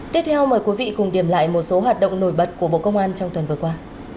tiếp theo mời quý vị cùng điểm lại một số hoạt động nổi bật của bộ công an trong tuần vừa qua